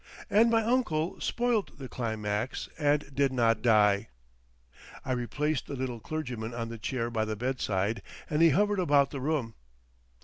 And my uncle spoilt the climax, and did not die. I replaced the little clergyman on the chair by the bedside, and he hovered about the room.